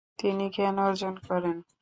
তিনি জ্ঞান অর্জন করেন।